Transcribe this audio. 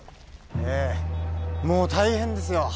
ええもう大変ですよ